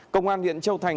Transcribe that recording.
công an huyện châu thành